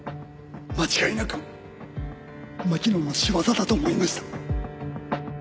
間違いなく巻乃の仕業だと思いました。